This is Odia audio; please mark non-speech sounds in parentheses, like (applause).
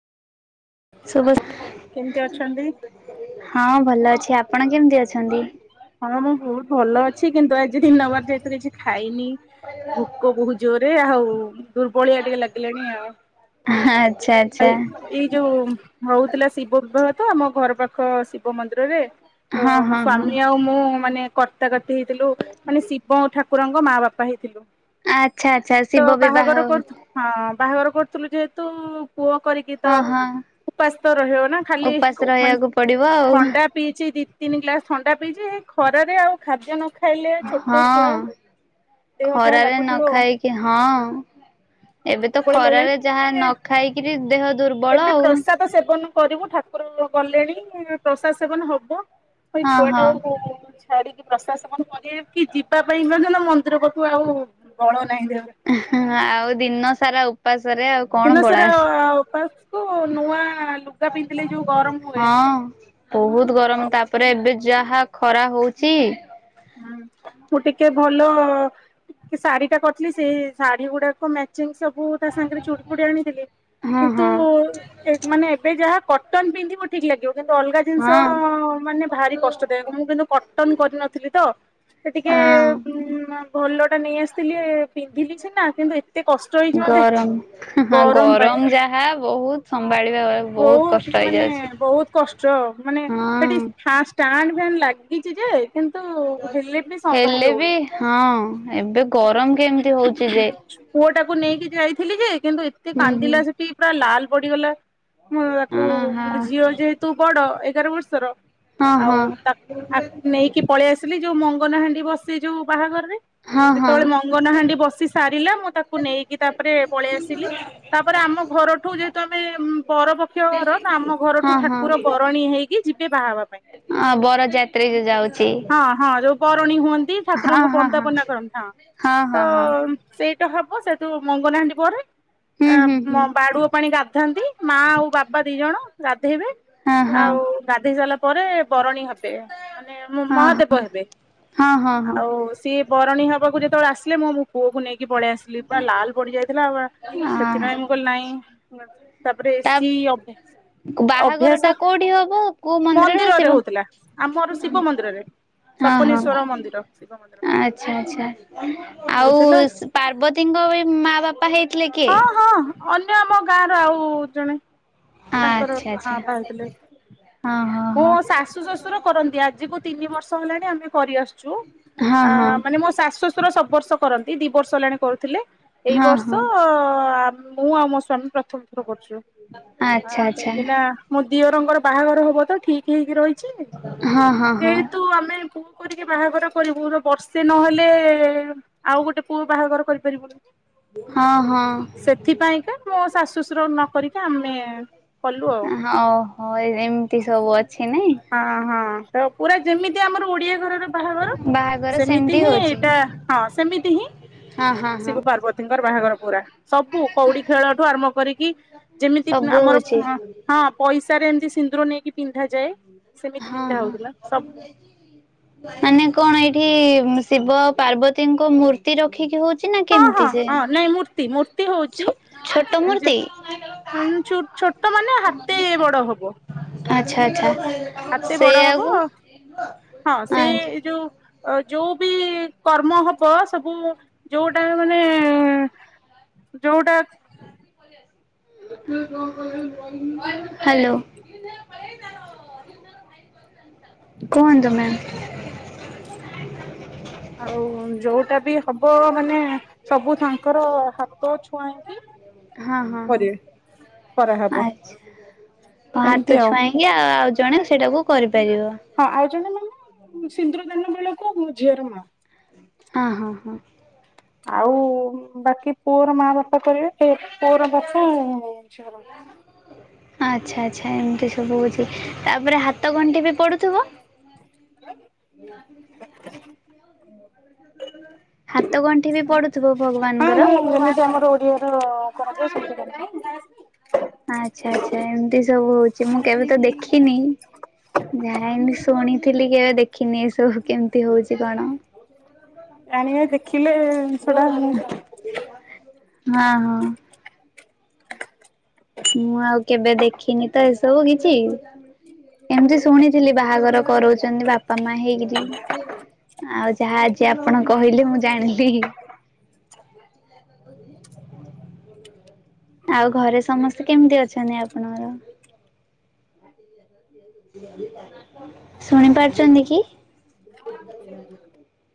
କେମିତି ଶୁଭୁଚି ଅଛନ୍ତି? ହଁ ଭଲ ଅଛି ଆପଣ କେମିତି ଅଛନ୍ତି? ହଁ ମୁଁ ବୋହୁତ ଭଲ ଅଛି କିନ୍ତୁ ଆଜି ଦିନବାର ଯେହେତୁ କିଛି ଖାଇନି। ଭୋକ ବୋହୁତ ଜୋରରେ ଆଉ ଦୁର୍ବଳିଆ ଟିକେ ଲାଗିଲାଣି ଆଉ। ଆଚ୍ଛା ଆଚ୍ଛା ଆଇ ଏ ଯୋଉ ହଉଥିଲା ଶିବ ବିବାହ ତ ଆମ ଘର ପାଖ ଶିବ ମନ୍ଦିରରେ ତ ହଁ ମୋ ହଁ ହଁ। ସ୍ଵାମୀ ଆଉ ମୁଁ ମାନେ କର୍ତ୍ତାକର୍ତ୍ତୀ ହେଇଥିଲୁ। ମାନେ ଶିବ ଠାକୁରଙ୍କ ମା ବାପା ହେଇଥିଲୁ। ଆଚ୍ଛା ଆଚ୍ଛା ତ ଶିବ ବିବାହ ବାହାଘର କରୁ ହଁ ବାହାଘର କରୁଥିଲୁ ଯେହେତୁ ପୁଅ କରିକି ତ ହଁ। ଉପାସ୍ତ ରହିବ ନା ଖାଲି ଉପାସ ମାନେ ରହିବାକୁ ପଡିବ ଆଉ ଥଣ୍ଡା ପିଇଚି ଦି ତିନି ଗ୍ଲାସ ଥଣ୍ଡା ପିଇଚି ଖରାରେ ଆଉ ଖାଦ୍ୟ ନ ଖାଇଲେ ଛୋଟ ହଁ। ଛୁଆ ଦେହ ଯାହା ଲାଗୁଥିବ ଆଉ। କି ହଁ ଏବେ ତ ଦୁର୍ବଳ ଖରାରେ ଲାଗିଲାଣି ଯାହା ଏବେ ନ ଖାଇକିରି ଦେହ ଦୁର୍ବଳ ଏବେ ଆଉ। ପ୍ରସାଦ ସେବନ କରିବୁ ଠାକୁର ଗଲେନି ପ୍ରସାଦ ସେବନ ହବ। ଭଇ ହଁ ଛୁଆ ଟା ହଁ। କ ଛାଡିକି ପ୍ରଶଵାସ କଣ କର କି ଯିବା ପାଇଁ କ ନା ମନ୍ଦିର ପଠୁ ଆଉ ବଳ ନାହିଁ ଦେହରେ। ଆଉ ଦିନ ସାରା ଉପାସରେ ଆଉ କଣ ଦିନ ବଳା ସ ଆସେ ଉପାସକୁୁ ନୂଆ ଲୁଗା ପିନ୍ଧିଲେ ଯୋଉ ଗରମ ହୁଏ ହଁ। ବହୁତ ଗରମ ତାପରେ ଏବେ ଯାହା ଖରା ହଉଛି ହୁଁ ମୁଁ ଟିକେ ଭଲ ଶାଢୀ ଟା କରିଥିଲି ସେ ଶାଢୀ ଗୁଡାକ ମ୍ୟାଚିଂ ସବୁ ତା ସାଙ୍ଗରେ ଚୁଡ଼ି ଫୁଡି ଆଣିଥିଲେି ହଁ କିନ୍ତୁ ହଁ ମାନେ ଏବେ ଯାହା କଟନ ପିନ୍ଧିବୁ ଠିକ ଲାଗିବ କିନ୍ତୁ ଅଲଗା ଜିନିଷ ହଁ। ମାନେ ଭାରି କଷ୍ଟ। ମୁଁ କିନ୍ତୁ କଟନ କରିନଥିଲି ତ ସେ ଟିକେ ହଁ ଭଲ ଟା ନେଇ ଆସିଥିଲି ପିନ୍ଧିଲି ସିନା କିନ୍ତୁ ଏ ଏତେ କଷ୍ଟ ହେଇଛି ମତେ ଗରମ ହଁ ଗରମ ପାଇଁ ଯାହା ବହୁତ ସମ୍ଭାଳିବା ହଁ ବହୁତ କଷ୍ଟ ମାନେ ହେଇଯାଉଛି। ବହୁତ କଷ୍ଟ ମାନେ ସେଠି ହଁ ଫ ଲାଗିଛି ଯେ କିନ୍ତୁ ହେଲେ ବି ସମ୍ଭାଳି ହେଲେ ବି ହଉନି। ହଁ ଏବେ ଗରମ କେମିତି ହଉଛି ଯେ? ପୁଅ ଟାକୁ ନେଇକି ଯାଇଥିଲି ଯେ କିନ୍ତୁ ଏତେ ହୁଁ ହୁଁ କାନ୍ଦିଲା ସେଠି ପୁରା ଲାଲ ପଡିଗଲା। ମୁଁ ତାକୁ ଓହୋ ମୋ ଝିଅ ଯେହେତୁ ବଡ ଏଗାର ବର୍ଷର ହଁ ଆଉ ହଁ ନେଇକି ପଳେଇ ଆସିଲି ଯୋଉ ମଙ୍ଗନ ହାଣ୍ଡି ବସେ ଯୋଉ ବାହାଘରରେ ହଁ ହଁ ଯେତେବେଳେ ମଙ୍ଗନହାାଣ୍ଡି ବସି ସାରିଲା ମୁଁ ତାକୁ ନେଇକି ତାପରେ ପଳେଇ ଆସିଲି। ତାପରେ ଆମ ଘରଠୁ ଯେହେତୁ ଆମେ ପରପକ୍ଷ ଘର ନା ଆମ ହଁ ଘରଠୁ ହଁ ଠାକୁର ବରଣୀ ହେଇକ କି ଯିବେ ବାହା ହେବା ପାଇଁ। ହଁ ବର ଯାଏ। ଏଇ ଯାଉଛି। ହଁ ହଁ ଯୋଉ ବରଣୀ ହୁଅନ୍ତି ହଁ ଠାକୁରଙ୍କୁ ହଁ ବନ୍ଦା ପନା କରନ୍ତି ହଁ। ହଁ ହଁ ହଁ ସେଇତ ହବ ସେଇଠୁ ମଙ୍ଗନହାଣ୍ଡି ପରେ ହୁଁ ହୁଁ ହୁଁ ବାଡୁଅ ପାଣି ଗାଧାନ୍ତି। ମା ଆଉ ବାପା ଦି ଜଣ ଗାଧେଇବେ ହଁ ହଁ ଆଉ ଗାଧେଇ ସାରିଲା ପରେ ବରଣୀ ହେବେ ମାନେ ହଁ ମହାଦେବ ହେବେ ହଁ ହଁ ହଁ ହଁ ଆଉ ସିଏ ବରଣୀ ହେବାକୁ ଯେତେବେଳେ ଆସିଲେ ମୁଁ ମୋ ପୁଅକୁ ନେଇକି ପଳେଇଆସି ଲିପା ଲାଲ ପଡି ଯାଇଥିଲା ଆ ସେଥିପାଇଁ ମୁଁ କହିଲି ନାଇଁ ତାପରେ ତା ଏସି ବାହାଘର ଅଭ୍ୟାସ ଟା କୋଉଠି ହବ କୋଉ ନା ମନ୍ଦିରରେ ଶିବ ହଉଥିଲା ଆମର ଶିବ ମନ୍ଦିରରେ। ହଁ ହଁ ସପନେଶ୍ଵର ମନ୍ଦିର ଶିବ ମନ୍ଦିର ଆଚ୍ଛା ଆଚ୍ଛା ହଉଥିଲା ଆଉ ପାର୍ବତୀଙ୍କ ଏ ମା ବାପା ହେଇଥିଲେ କିଏ? ହଁ ହଁ ଅନ୍ୟ ଆମ ଗାଁ ର ଆଉ ଜଣେ। ତାଙ୍କର ଆଚ୍ଛା ମା ଆଚ୍ଛା ବାପା ହେଇଥିଲେ, ହଁ ହଁ ମୋ ହଁ ଶାଶୁ ଶଶୁର କରନ୍ତି, ଆଜିକୁ ତିନି ବର୍ଷ ହେଲାଣି ଆମେ କରିଆସୁଛୁ, ହଁ ହଁ। ମାନେ ମୋ ଶାଶୁ ଶଶୁର ସବୁ ବର୍ଷ କରନ୍ତି ଦି ବର୍ଷ ହେଲାଣି କରୁଥିଲେ ଏଇ ହଁ ବର୍ଷ ହଁ ମୁଁ ଆଉ ମୋ ସ୍ଵାମୀ ପ୍ରଥମ ଥର କରୁଛୁ ଆଚ୍ଛା ଆ ଆଚ୍ଛା କାହିଁକି ନା ମୋ ଦିଅରଙ୍କର ବାହାଘର ହବ ତ ଠିକ ହେଇକି ରହିଛି ହଁ ହଁ ହଁ ଯେହେତୁ ଆମେ ଟିକେ ବାହାଘର କରିବୁ ବର୍ଷେ ନହେଲେ ଆଉ ଗୋଟେ ପୁଅ ବାହାଘର କରିପାରିବୁନୁ। ହଁ ହଁ ସେଥିପାଇଁକା ମୋ ଶାଶୁ ଶଶୁର ନ କରିକା ଆମେ କଲୁ ଆଉ। ଓହୋ ଏମିତି ସବୁ ଅଛି ନାଇଁ। ହଁ ହଁ ତ ପୁରା ଯେମିତି ଆମର ଓଡିଆ ଘରର ବାହାଘର ବାହାଘର ସେମିତି ହିଁ ହଉଛି। ଏଇଟା ହଁ ସେମିତି ହିଁ ହଁ ହଁ ହଁ ଶିବ ପାର୍ବତୀ। ଙ୍କର ବାହାଘର ପୁରା ସବୁ କଉଡି ଖେଳଠୁ ଆରମ୍ଭ କରିକି ଯେମିତି ସବୁ ଆମର ହଉଛି ହଁ ପଇସା ରେ ଏମିତି ସିନ୍ଦୁର ନେଇକି ପିନ୍ଧାଯାଏ। ସେମିତି ହଁ ପିନ୍ଧା ହଉଥିଲା ହଁ ସବୁ ମାନେ କଣ ଏଇଠି ଶିବ ପାର୍ବତୀଙ୍କ ମୂର୍ତ୍ତି ରଖିକି ହଉ ହଁ ହଁ ହଁ ନାଇଁ ମୂର୍ତ୍ତି ମୂ ମୂର୍ତ୍ତି ଛୋଟ ମୂର୍ତ୍ତି? ହଉଛି ଛୋଟ ମାନେ ହାତେ ବଡ ହବ। ଆଚ୍ଛା ଆଚ୍ଛା ହାତେ ବଡ ହବ ସେଇଆକୁ ହଁ ଆ ସେ ଯୋଉ ଯୋଉ ବି କର୍ମ ହ ବ ସବୁ ଯୋଉଟା ମାନେ ଯୋଉଟା (unintelligible) କୁହନ୍ତୁ ମ୍ୟାମ। ଆଉ ଯୋଉଟା ବି ହବ ମାନେ ସବୁ ତାଙ୍କର ହାତ ଛୁଆଁଇକି ହଁ ହଁ କରିବେ ହ କରାହବ ଆଛା ଏମିତି ହାତ ଆଉ ଛୁଆଁଇ ଇଆ ଜଣେ ସେଇଟାକୁ କରିପାରିବ। ହଁ ଆଉ ଜଣେ ମାନେ ସିନ୍ଦୁର ଦାନ ବେଳକୁ ଝିଅର ମା। ହଁ ହଁ ହଁ ଆଉ ବାକି ପୁଅର ମା ବାପା କରିବେ ସେ ପୁଅର ବାପା ଆଚ୍ଛା ହଉ। ଆଚ୍ଛା ଆଚ୍ଛା ଏମିତି ସବୁ ହଉଛି ତାପରେ ହାତ ଗଣ୍ଠି ବି ପଡ଼ୁଥିବ। ହାତ ଘ ହଁ ଆମର ଓଡ଼ିଆ ର (unintelligible) ଆଚ୍ଛା ଆଚ୍ଛା ଏମିତି ସବୁ ହଉଛି ମୁଁ କେବେ ତ ଦେଖିନି ଯାଏନି ଶୁଣିଥିଲି କେବେ ଦେଖିନି ଏସବୁ କେମିତି ହଉଛି କଣ। ଆଣିବା ଦେଖିଲେ ସେଟା ହଁ ହଁ। ମୁଁ ଆଉ କେବେ ଦେଖିନି ତ ଏସବୁ କିଛି। ଏମିତି ଶୁଣିଥିଲି ବାହାଘର କରଉଛନ୍ତି ବାପା ମା ହେଇକିରି। ଆଉ ଯାହା ଆଜି ଆପଣ କହିଲେ ମୁଁ ଜାଣିଲି। ଆଉ ଘରେ ସମସ୍ତେ କେମିତି ଅଛନ୍ତି ଆପଣଙ୍କର? ଶୁଣି ପାରୁଛନ୍ତି କି?